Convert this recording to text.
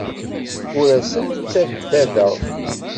Ur asent-ttabdadeɣ.